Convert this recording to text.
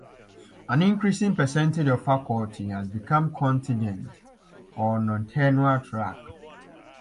An increasing percentage of faculty has become "contingent," or non-tenure track.